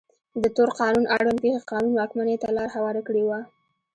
د تور قانون اړوند پېښې قانون واکمنۍ ته لار هواره کړې وه.